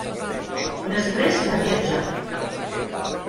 Després va viatjar.